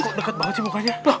kok dekat banget sih mukanya